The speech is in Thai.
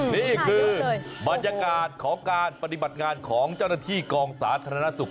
นี่คือบรรยากาศของการปฏิบัติงานของเจ้าหน้าที่กองสาธารณสุข